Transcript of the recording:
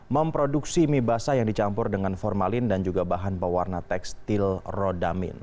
memproduksi mie basah yang dicampur dengan formalin dan juga bahan pewarna tekstil rodamin